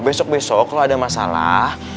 besok besok kalau ada masalah